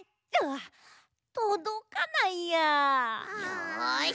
よし！